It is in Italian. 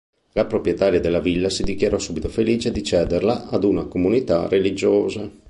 La proprietaria della villa si dichiarò subito felice di cederla ad una Comunità religiosa.